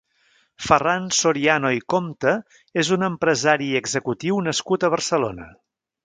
Ferran Soriano i Compte és un empresari i executiu nascut a Barcelona.